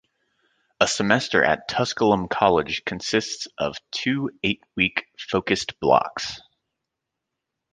A semester at Tusculum College consists of two eight-week Focused Blocks.